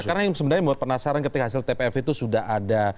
karena yang sebenarnya membuat penasaran ketika hasil tpf itu sudah ada